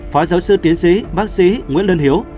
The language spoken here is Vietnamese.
phó giáo sư tiến sĩ bác sĩ nguyễn lân hiếu